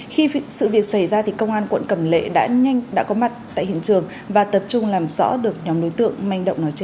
khi sự việc xảy ra công an quận cầm lệ đã nhanh đã có mặt tại hiện trường và tập trung làm rõ được nhóm đối tượng manh động nói trên